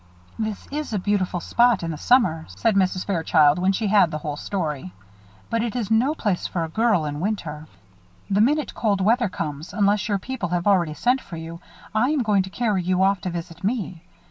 "This is a beautiful spot in summer," said Mrs. Fairchild, when she had the whole story, "but it is no place for a girl in winter. The minute cold weather comes, unless your people have already sent for you, I am going to carry you off to visit me.